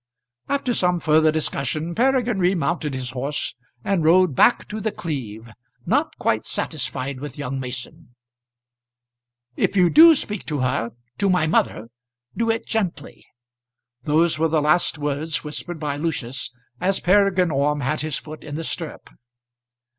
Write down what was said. After some further discussion Peregrine remounted his horse, and rode back to The Cleeve, not quite satisfied with young Mason. "If you do speak to her, to my mother, do it gently." Those were the last words whispered by Lucius as Peregrine Orme had his foot in the stirrup.